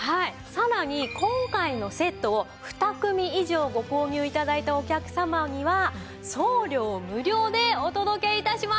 さらに今回のセットを２組以上ご購入頂いたお客様には送料無料でお届け致します。